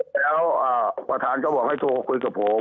แล้วประธานก็บอกให้โทรคุยกับผม